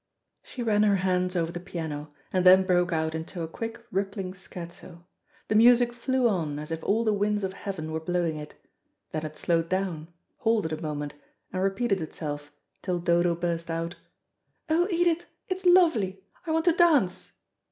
She ran her hands over the piano, and then broke out into a quick, rippling scherzo. The music flew on, as if all the winds of heaven were blowing it; then it slowed down, halted a moment, and repeated itself till Dodo burst out: "Oh, Edith, it's lovely! I want to dance."